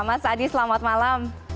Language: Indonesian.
mas adi selamat malam